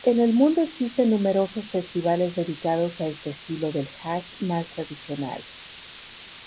En el mundo existen numerosos festivales dedicados a este estilo del jazz más tradicional.